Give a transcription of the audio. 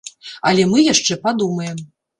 Але мы яшчэ падумаем.